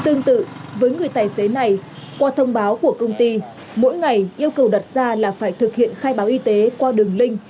tương tự với người tài xế này qua thông báo của công ty đưa ra là phải thực hiện khai báo y tế qua đường link